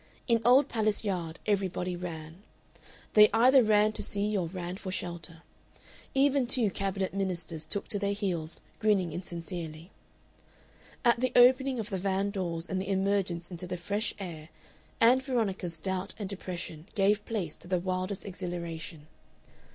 In Old Palace Yard everybody ran. They either ran to see or ran for shelter. Even two Cabinet Ministers took to their heels, grinning insincerely. At the opening of the van doors and the emergence into the fresh air Ann Veronica's doubt and depression gave place to the wildest exhilaration.